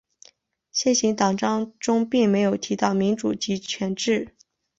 现行党章中并没有提到民主集权制。